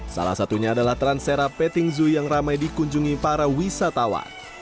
salah satunya adalah transera petting zoo yang ramai dikunjungi para wisatawan